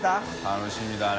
楽しみだね。